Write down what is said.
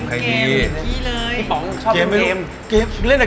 พี่ฟองอีก๑ดวงดาว